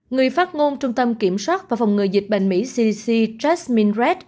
người phát ngôn trung tâm kiểm soát và phòng ngừa dịch bệnh mỹ cdc jasmine redd